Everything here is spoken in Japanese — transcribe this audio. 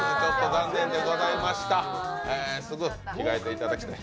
すぐ着替えていただきたい。